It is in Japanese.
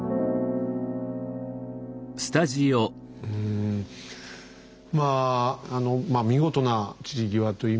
うんまああの見事な散り際といいますかね。